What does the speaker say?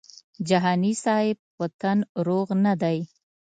جهاني صاحب په تن روغ نه دی.